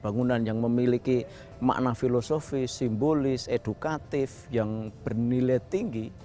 bangunan yang memiliki makna filosofis simbolis edukatif yang bernilai tinggi